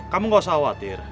kamu gak usah khawatir